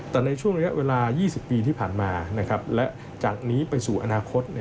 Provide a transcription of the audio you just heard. แต่ในช่วงระยะเวลา๒๐ปีที่ผ่านมาและจากนี้ไปสู่อนาคต